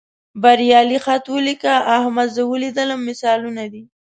بریالي خط ولیکه، احمد زه ولیدلم مثالونه دي.